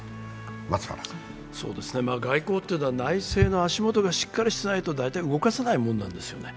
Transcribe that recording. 外交というのは内政の足元がしっかりしていないと大体動かせないものなんですよね。